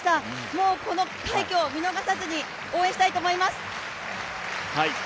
もうこの快挙を見逃さずに応援したいと思います。